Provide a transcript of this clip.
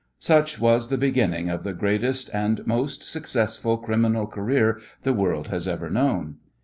Such was the beginning of the greatest and most successful criminal career the world has ever known.